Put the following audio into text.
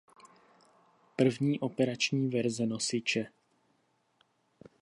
První operační verze nosiče.